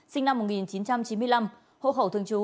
sinh năm một nghìn chín trăm chín mươi năm hộ khẩu thường trú